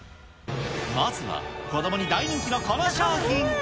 まずは、子どもに大人気のこの商品。